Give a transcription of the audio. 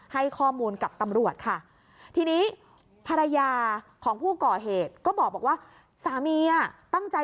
ให้ข้อมูลกับตำรวจค่ะ